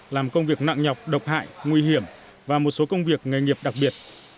làm công việc nặng nhọc độc hại nguy hiểm và một số công việc nghề nghiệp đặc biệt